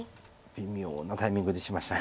微妙なタイミングでしました。